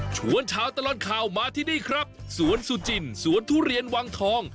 ชวนชาวตลอดข่าวมาที่นี่ครับสวนสุจินสวนทุเรียนวังทอง